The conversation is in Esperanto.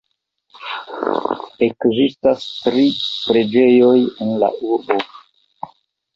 Ekzistas tri preĝejoj en la urbo.